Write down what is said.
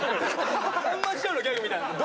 さんま師匠のギャグみたいに。